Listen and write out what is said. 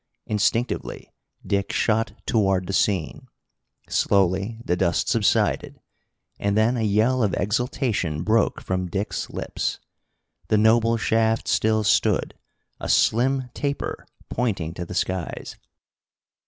Instinctively Dick shot toward the scene. Slowly the dust subsided, and then a yell of exultation broke from Dick's lips. The noble shaft still stood, a slim taper pointing to the skies.